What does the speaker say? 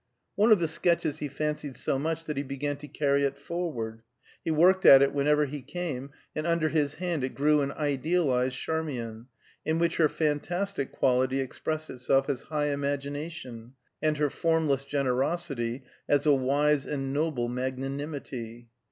One of the sketches he fancied so much that he began to carry it forward. He worked at it whenever he came, and under his hand it grew an idealized Charmian, in which her fantastic quality expressed itself as high imagination, and her formless generosity as a wise and noble magnanimity.